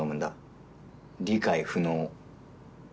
理解不能。